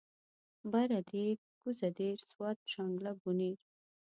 بره دير کوزه دير سوات شانګله بونير